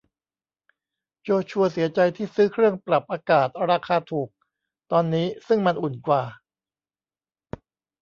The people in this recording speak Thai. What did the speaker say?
โจชัวเสียใจที่ซื้อเครื่องปรับอากาศราคาถูกตอนนี้ซึ่งมันอุ่นกว่า